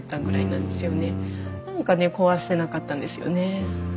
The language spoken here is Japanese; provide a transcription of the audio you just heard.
何かね壊せなかったんですよねえ。